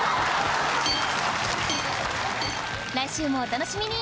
来週もお楽しみに！